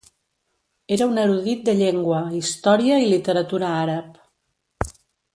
Era un erudit de llengua, història i literatura àrab.